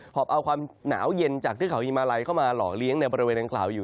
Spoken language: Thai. อบเอาความหนาวเย็นจากเทือกเขาฮิมาลัยเข้ามาหล่อเลี้ยงในบริเวณดังกล่าวอยู่